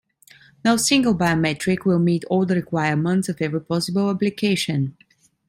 No single biometric will meet all the requirements of every possible application.